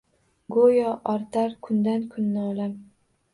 Goʼyo ortar kundan kun nolam